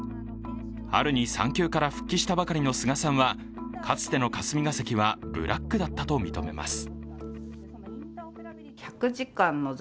春に産休から復帰したばかりの須賀さんはかつての霞が関はブラックだったと認めます。